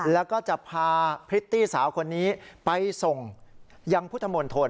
แล้วก็จะพาพริตตี้สาวคนนี้ไปส่งยังพุทธมนตร